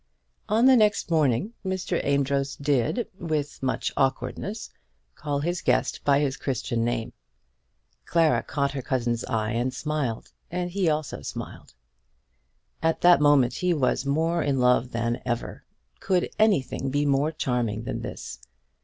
On the next morning Mr. Amedroz did, with much awkwardness, call his guest by his Christian name. Clara caught her cousin's eye and smiled, and he also smiled. At that moment he was more in love than ever. Could anything be more charming than this?